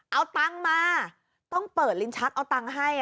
เอาตังค์มาต้องเปิดลิ้นชักเอาตังค์ให้